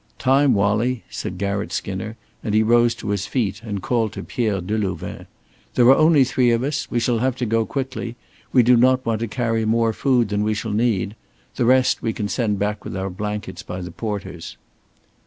"Time, Wallie," said Garratt Skinner, and he rose to his feet and called to Pierre Delouvain. "There are only three of us. We shall have to go quickly. We do not want to carry more food than we shall need. The rest we can send back with our blankets by the porters."